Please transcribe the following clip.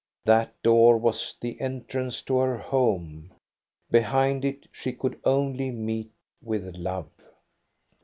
That door was the entrance to her home ; behind it she could only meet with love.